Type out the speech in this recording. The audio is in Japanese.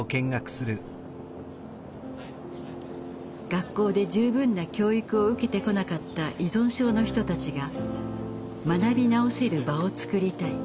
学校で十分な教育を受けてこなかった依存症の人たちが学び直せる場を作りたい。